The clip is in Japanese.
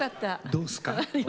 どうっすか。